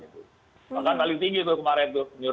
maka paling tinggi itu kemarin